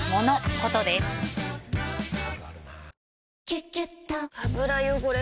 「キュキュット」油汚れ